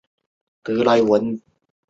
累官至广东按察司佥事。